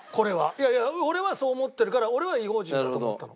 いやいや俺はそう思ってるから俺は『異邦人』だと思ったの。